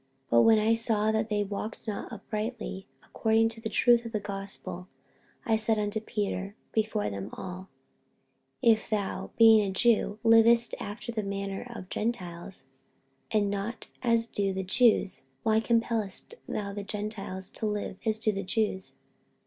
48:002:014 But when I saw that they walked not uprightly according to the truth of the gospel, I said unto Peter before them all, If thou, being a Jew, livest after the manner of Gentiles, and not as do the Jews, why compellest thou the Gentiles to live as do the Jews?